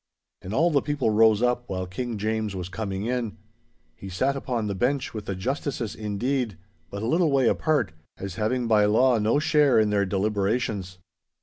And all the people rose up while King James was coming in. He sat upon the bench with the justices indeed, but a little way apart, as having by law no share in their deliberations.